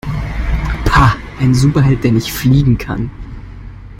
Pah, ein Superheld, der nicht fliegen kann!